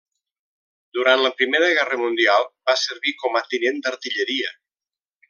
Durant la Primera Guerra Mundial va servir com a tinent d'artilleria.